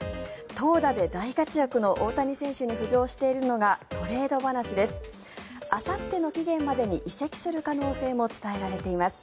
投打で大活躍の大谷選手に浮上しているのがトレード話です。